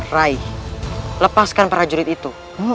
rai lepaskan para jurit itu